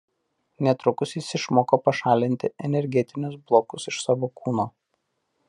Netrukus jis išmoko pašalinti energetinius blokus iš savo kūno.